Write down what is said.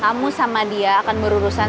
kamu sama dia akan berurusan